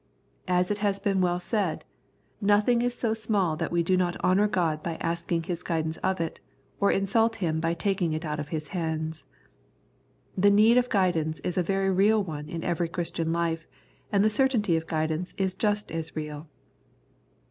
As it has been well said :" Nothing is so small that we do not honour God by asking His guidance of it, or insult Him by taking it out of His hands." The need of guidance is a very real one in every Christian life, and the certainty of guidance is just as real.